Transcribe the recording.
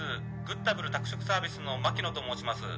☎グッタブル宅食サービスの牧野と申します